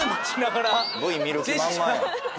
Ｖ見る気満々やん。